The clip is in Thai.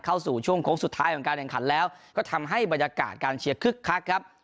เข้าสู่ช่วงโค้งสุดท้ายของการแข่งขันแล้วก็ทำให้บรรยากาศการเชียร์คึกคักครับ